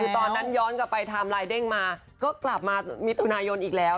คือตอนนั้นย้อนกลับไปไทม์ไลน์เด้งมาก็กลับมามิถุนายนอีกแล้ว